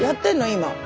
今。